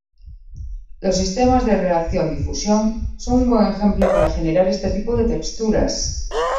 Los sistemas de reacción-difusión son un buen ejemplo para generar este tipo de texturas.